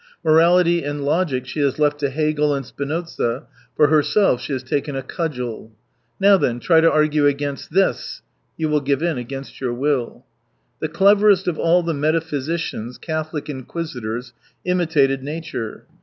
Morality and logic she has left to Hegel and Spinoza, for herself she has taken a cudgel. Now then, try to argue against this I You will give in against your will. The cleverest of all the metaphysi cians. Catholic inquisitors, imitated nature.